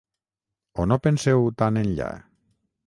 O no penseu tan enllà?